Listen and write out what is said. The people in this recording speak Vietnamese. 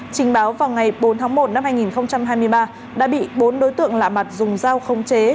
trình báo vào ngày bốn tháng một năm hai nghìn hai mươi ba đã bị bốn đối tượng lạ mặt dùng dao không chế